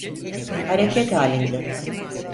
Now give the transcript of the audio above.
Hareket halinde.